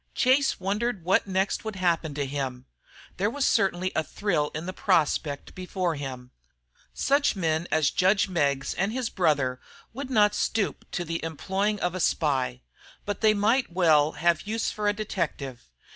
Chase wondered what next would happen to him. There was certainly a thrill in the prospect before him. Such men as judge Meggs and his brother would not stoop to the employing of a spy, but they might well have use for a detective.